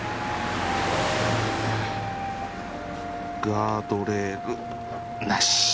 「ガードレールなし」